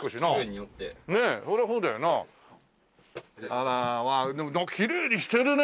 あらでもきれいにしてるね！